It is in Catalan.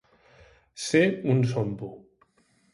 Ser un sompo.